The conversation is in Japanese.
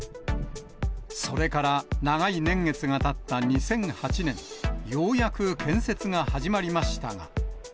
それから長い年月がたった２００８年、ようやく建設が始まりましたが。